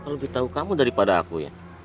kalau lebih tahu kamu daripada aku ya